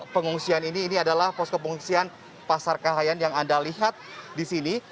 pengungsian ini ini adalah posko pengungsian pasar kahayan yang anda lihat di sini